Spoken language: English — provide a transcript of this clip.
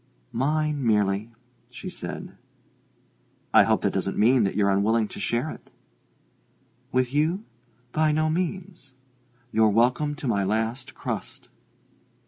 "Mine, merely," she said. "I hope that doesn't mean that you're unwilling to share it?" "With you? By no means. You're welcome to my last crust."